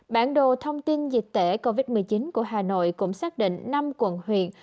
bản đồ thông tin dịch tễ covid một mươi chín của hà nội cũng xác định năm quận huyện